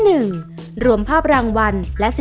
จุดที่๓รวมภาพธนบัตรที่ระลึกรัชสมัยรัชกาลที่๙